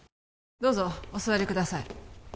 どうぞお座りください